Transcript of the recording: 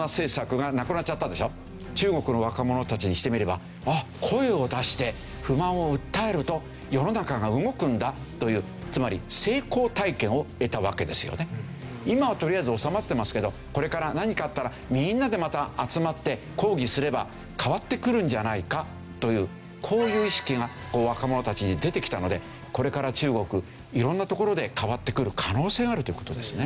中国の若者たちにしてみればあっ声を出して不満を訴えると世の中が動くんだというつまり今はとりあえず収まってますけどこれから何かあったらみんなでまた集まって抗議すれば変わってくるんじゃないかというこういう意識が若者たちに出てきたのでこれから中国色んなところで変わってくる可能性があるという事ですね。